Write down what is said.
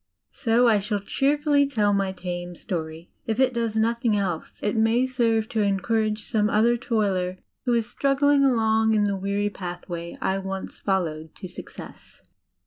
So I shall cheerfully tell my tame story. If it does nothing else, it may serve to encourage some other toiler who is struggling along in the weary pathway I once followed to success.